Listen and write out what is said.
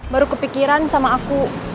baru kepikiran sama aku